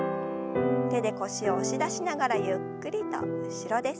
手で腰を押し出しながらゆっくりと後ろです。